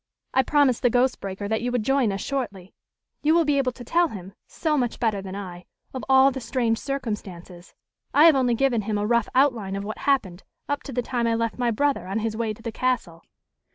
I promised the Ghost Breaker that you would join us shortly. You will be able to tell him, so much better than I, of all the strange circumstances. I have only given him a rough outline of what happened up to the time I left my brother on his way to the castle."